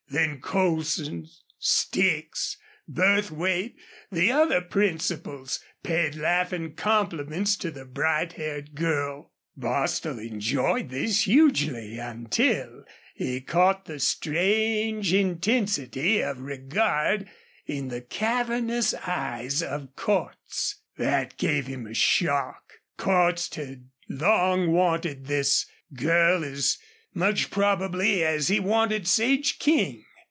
Then Colson, Sticks, Burthwait, the other principals, paid laughing compliments to the bright haired girl. Bostil enjoyed this hugely until he caught the strange intensity of regard in the cavernous eyes of Cordts. That gave him a shock. Cordts had long wanted this girl as much probably as he wanted Sage King.